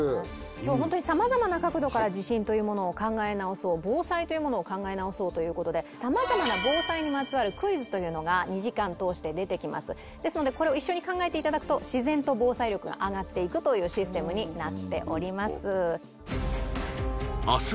今日ホントに様々な角度から地震というものを考え直そう防災というものを考え直そうということで様々な防災にまつわるクイズというのが２時間通して出てきますですのでこれを一緒に考えていただくと自然と防災力が上がっていくというシステムになっております